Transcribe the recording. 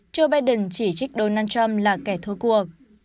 joe biden chỉ trích donald trump là kẻ thua cua